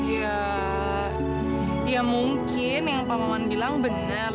ya mungkin yang pak maman bilang benar